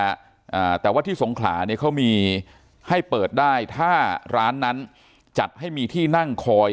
อ่าแต่ว่าที่สงขลาเนี้ยเขามีให้เปิดได้ถ้าร้านนั้นจัดให้มีที่นั่งคอย